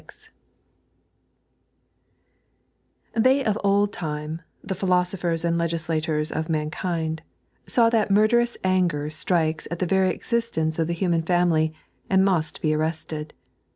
"' I 'HEY of old time," the philosophers and legiulators X of mankind, saw that murderoue anger strikes at the very existence of the human family, and must be arrested.